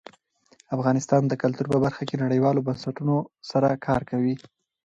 افغانستان د کلتور په برخه کې نړیوالو بنسټونو سره کار کوي.